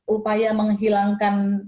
upaya menghilangkan tanggung jawab